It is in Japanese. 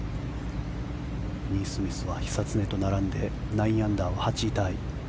ニースミスは久常と並んで９アンダーは８位タイ。